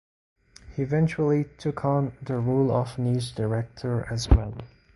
He eventually took on the role of news director as well.